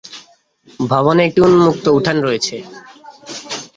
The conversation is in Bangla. ভবনে একটি উন্মুক্ত উঠান রয়েছে।